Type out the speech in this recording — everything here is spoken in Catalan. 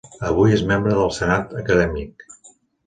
Avui és membre del Senat Acadèmic.